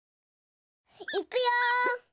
いくよ！